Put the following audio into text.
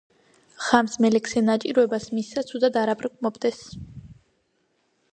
ხამს, მელექსე ნაჭირვებას მისსა ცუდად არ აბრკმობდეს